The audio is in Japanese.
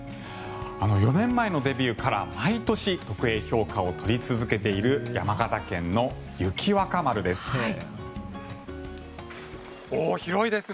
４年前のデビューから毎年、特Ａ評価を取り続けている山形県の雪若丸です。